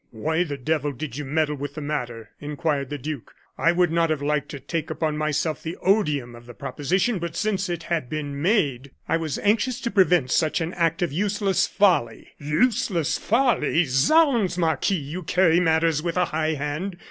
"Why the devil did you meddle with the matter?" inquired the duke. "I would not have liked to take upon myself the odium of the proposition, but since it had been made " "I was anxious to prevent such an act of useless folly!" "Useless folly! Zounds! Marquis, you carry matters with a high hand.